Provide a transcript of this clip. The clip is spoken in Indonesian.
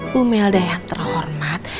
bumelda yang terhormat